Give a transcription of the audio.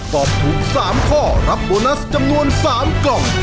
ตอบถูก๓ข้อรับโบนัสจำนวน๓กล่อง